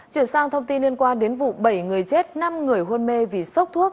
chuyển sang thông tin liên quan đến vụ bảy người chết năm người hôn mê vì sốc thuốc